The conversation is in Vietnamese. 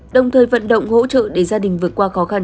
đồng thời vận động hỗ trợ để gia đình vượt qua khó khăn